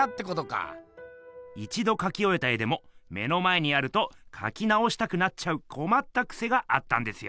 一どかきおえた絵でも目の前にあるとかきなおしたくなっちゃうこまったくせがあったんですよ。